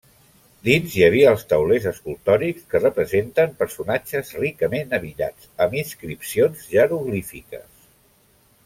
Dins hi havia els taulers escultòrics que representen personatges ricament abillats, amb inscripcions jeroglífiques.